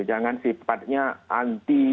jangan sifatnya anti